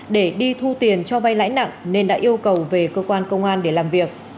để đi thu tiền cho vay lãi nặng nên đã yêu cầu về cơ quan công an để làm việc